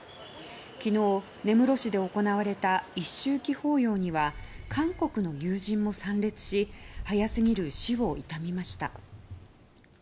昨日、根室市で行われた一周忌法要には韓国の友人も参列し早すぎる死を悼みました。